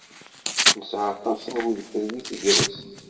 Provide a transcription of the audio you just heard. Nesɛa aṭas n wedfel deg tegrest.